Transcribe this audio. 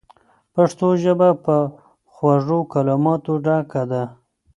پښتو ژبه په خوږو کلماتو ډکه ده.